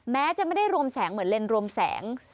แม้จะไม่ได้รวมแสงเหมือนเลนรวมแสง